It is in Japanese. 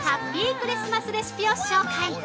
クリスマスレシピを紹介！